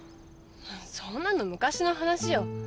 そんなの昔の話よ。